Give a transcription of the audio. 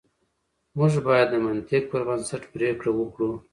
موږ بايد د منطق پر بنسټ پرېکړه وکړو.